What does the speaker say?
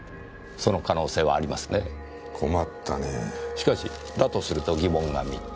しかしだとすると疑問が３つ。